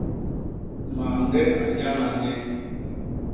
Mañge a nyañal nye.